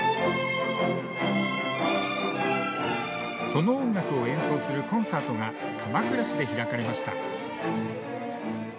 その音楽を演奏するコンサートが鎌倉市で開かれました。